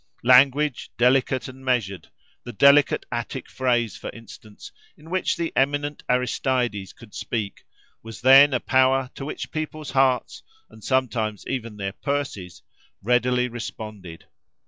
Language delicate and measured, the delicate Attic phrase, for instance, in which the eminent Aristeides could speak, was then a power to which people's hearts, and sometimes even their purses, readily responded.